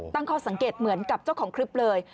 ตั้งข้อสังเกตเหมือนกับเจ้าของคลิปเลย